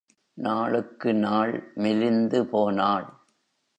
நாளுக்கு நாள் மெலிந்து போனாள்.